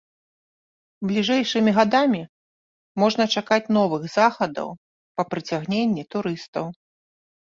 Бліжэйшымі гадамі можна чакаць новых захадаў па прыцягненні турыстаў.